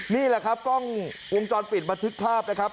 นี่แหละครับกล้องวงจรปิดบันทึกภาพนะครับ